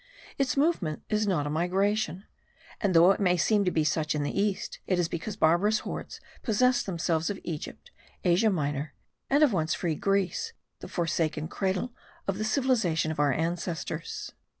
Its movement is not a migration: and though it may seem to be such in the east, it is because barbarous hordes possessed themselves of Egypt, Asia Minor, and of once free Greece, the forsaken cradle of the civilization of our ancestors.